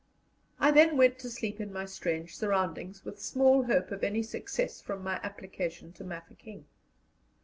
I then went to sleep in my strange surroundings, with small hope of any success from my application to Mafeking.